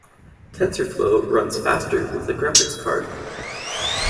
Tensorflow runs faster with a graphics card.